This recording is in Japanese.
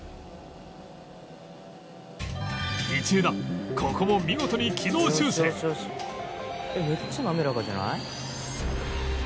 道枝ここも見事に「めっちゃ滑らかじゃない？」